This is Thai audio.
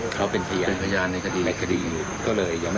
ก็สินอยู่หนึ่งในสารที่หลบหนีด้วยหรอคะ